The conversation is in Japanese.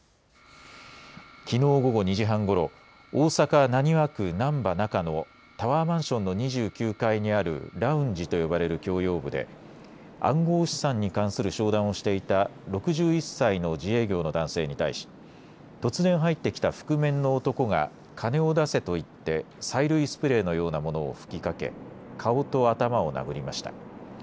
きのう午後２時半ごろ、大阪浪速区難波中のタワーマンションの２９階にあるラウンジと呼ばれる共用部で暗号資産に関する商談をしていた６１歳の自営業の男性に対し突然入ってきた覆面の男が金を出せと言って催涙スプレーのようなものを吹きかけ顔と頭を殴りました。